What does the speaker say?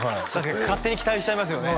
勝手に期待しちゃいますよね？